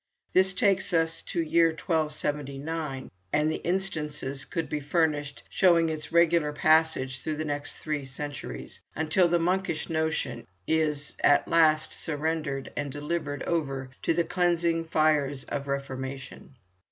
This takes us to the year 1279, and instances could be furnished showing its regular passage through the next three centuries, until the monkish notion is at last surrendered and delivered over to the cleansing fires of the Reformation.